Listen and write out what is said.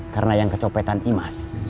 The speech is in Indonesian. karena yang kecopetan imas